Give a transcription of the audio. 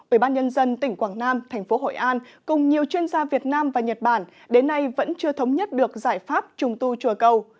ủy ban nhân dân tỉnh quảng nam thành phố hội an cùng nhiều chuyên gia việt nam và nhật bản đến nay vẫn chưa thống nhất được giải pháp trùng tu chùa cầu